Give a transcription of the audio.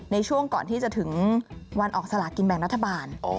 ในช่วงก่อนที่จะถึงวันออกสลากินแบ่งรัฐบาล